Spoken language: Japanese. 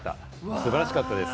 素晴らしかったです。